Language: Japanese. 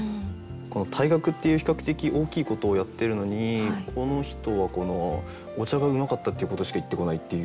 この退学っていう比較的大きいことをやってるのにこの人は「お茶がうまかった」っていうことしか言ってこないという。